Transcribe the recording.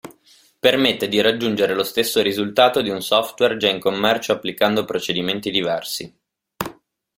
Permette di raggiungere lo stesso risultato di un software già in commercio applicando procedimenti diversi.